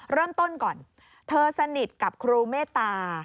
เริ่มต้นก่อนเธอสนิทกับครูเมตตา